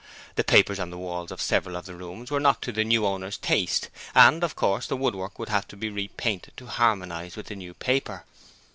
The papers on the walls of several of the rooms were not to the new owner's taste, and, of course, the woodwork would have to be re painted to harmonize with the new paper.